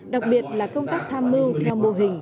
đặc biệt là công tác tham mưu theo mô hình